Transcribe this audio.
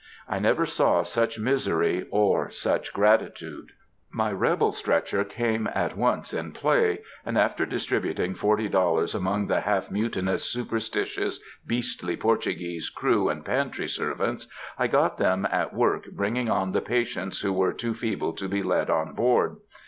I never saw such misery or such gratitude. My rebel stretcher came at once in play, and, after distributing forty dollars among the half mutinous, superstitious, beastly Portuguese crew and pantry servants, I got them at work bringing on the patients who were too feeble to be led on board.